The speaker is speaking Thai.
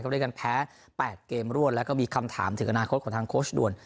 ด้วยการแพ้๘เกมรวดแล้วก็มีคำถามถึงอนาคตของทางโค้ชด่วน